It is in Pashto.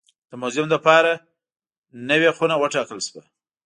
د موزیم لپاره نوې خونه وټاکل شوه.